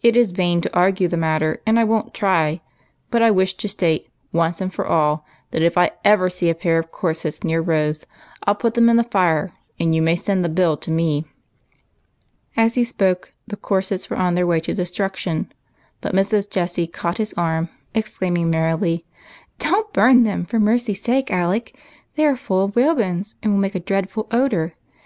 It is vain to argue the matter, and I won't try, but I 210 EIGHT COUSINS. wish to state, once for all, that if I ever see a pair of corsets near Rose, I '11 put them in the fire, and you may send the bill to me." As he spoke, the corsets were on their way to de struction, but Mrs. Jessie caught his arm, exclaiming merrily, " Don't burn them, for mercy sake. Alec ; they are full of whalebones, and will make a dreadful odor.